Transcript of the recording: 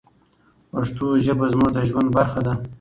پښتو ژبه زموږ د ژوند برخه ده.